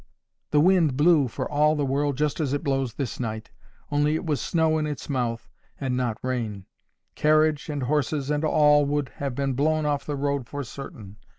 The wind blew for all the world just as it blows this night, only it was snow in its mouth, and not rain. Carriage and horses and all would have been blown off the road for certain.